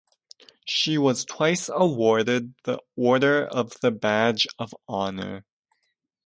She was twice awarded the Order of the Badge of Honor.